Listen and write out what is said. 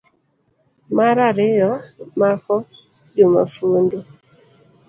mar ariyo, mako jomafundu